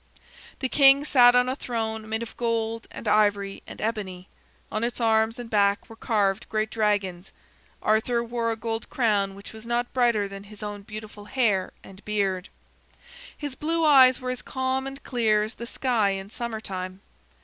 The king sat on a throne made of gold and ivory and ebony. On its arms and back were carved great dragons. Arthur wore a gold crown which was not brighter than his own beautiful hair and beard. His blue eyes were as calm and clear as the sky in summer time.